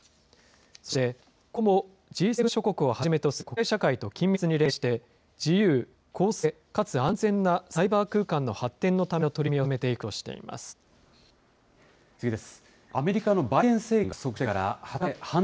そして、今後もＧ７諸国をはじめとする国際社会と緊密に連携して、自由・公正かつ安全なサイバー空間の発展のための取り組みを進め次です。